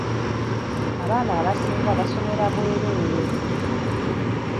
Abaana abasinga basomera bwereere.